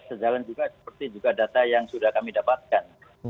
sejalan juga seperti juga data yang sudah kami dapatkan